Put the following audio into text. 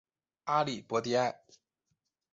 阿利博迪埃。